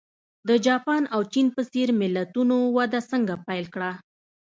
د جاپان او چین په څېر ملتونو وده څنګه پیل کړه.